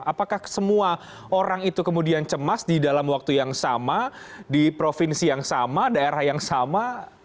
apakah semua orang itu kemudian cemas di dalam waktu yang sama di provinsi yang sama daerah yang sama